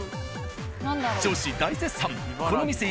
女子大絶賛！